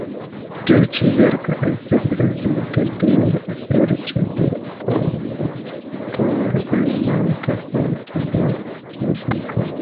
Tiu ĉi verko estas rezulto de serĉo de Orff por elementa forto de muziko.